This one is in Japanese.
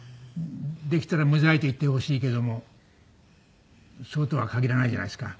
できたら無罪と言ってほしいけどもそうとは限らないじゃないですか。